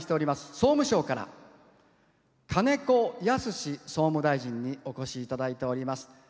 総務省から金子恭之総務大臣にお越しいただいています。